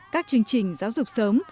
các chương trình giáo dục sớm